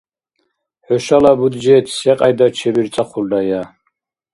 ХӀушала бюджет секьяйда чебирцӀахъулрая?